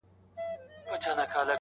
د حلال او د حرام سوچونه مکړه,